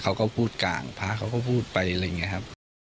เขาก็พูดกลางพระเขาก็พูดไปอะไรอย่างนี้ครับ